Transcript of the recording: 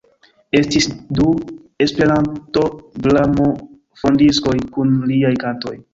Estis du E-gramofondiskoj kun liaj kantoj.